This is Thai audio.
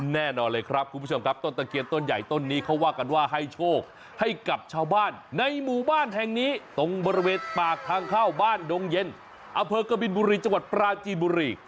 แน่นอนเลยครับคุณผู้ชมครับต้นตะเคียนต้นใหญ่ต้นนี้เขาว่ากันว่าให้โชคให้กับชาวบ้านในหมู่บ้านแห่งนี้ตรงบริเวณปากทางเข้าบ้านดงเย็นอำเภอกบินบุรีจังหวัดปราจีนบุรี